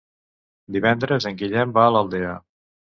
Divendres en Guillem va a l'Aldea.